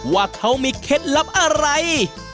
ว่าเขามีเคล็ดลับอะไร